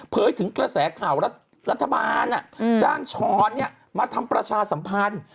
ถึงกระแสข่าวรัฐบาลจ้างช้อนมาทำประชาสัมพันธ์